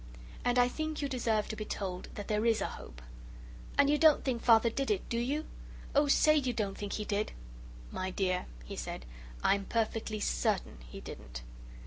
And I think you deserve to be told that there IS a hope." "And you don't think Father did it, do you? Oh, say you don't think he did." "My dear," he said, "I'm perfectly CERTAIN he didn't."